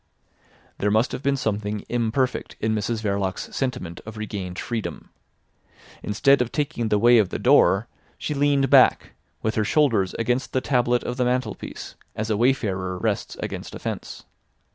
There must have been something imperfect in Mrs Verloc's sentiment of regained freedom. Instead of taking the way of the door she leaned back, with her shoulders against the tablet of the mantelpiece, as a wayfarer rests against a fence.